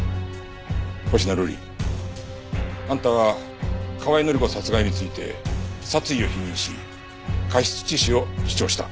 星名瑠璃あんたは河合範子殺害について殺意を否認し過失致死を主張した。